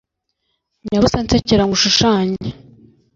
nyabusa nsekera ngushushanye